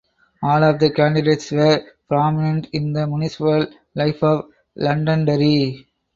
All of the candidates were prominent in the municipal life of Londonderry.